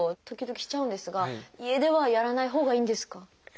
時々しちゃうんですが家ではやらないほうがいいんですか？